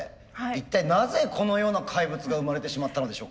一体なぜこのような怪物が生まれてしまったのでしょうか。